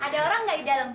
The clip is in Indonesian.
hai ada orang ga di dalam